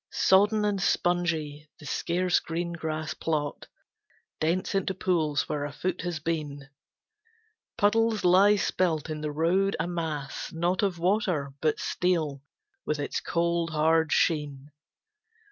Sodden and spongy, the scarce green grass plot Dents into pools where a foot has been. Puddles lie spilt in the road a mass, not Of water, but steel, with its cold, hard sheen.